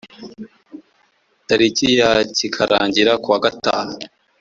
tariki ya kikarangira ku wa gatanu